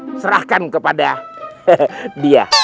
kita serahkan kepada dia